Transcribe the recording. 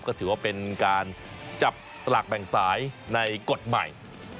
ก็ถือว่าเป็นการจับสลากแบ่งสายในกฎใหม่